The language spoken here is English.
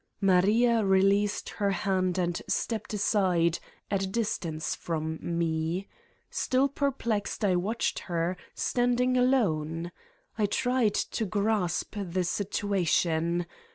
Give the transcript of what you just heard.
Maria released her hand and stepped aside, at a distance from me. Still perplexed I watched her, standing alone! I tried to grasp the situation.